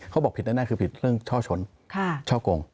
เขาบอกผิดแน่คือผิดเรื่องช่อชนช่อกง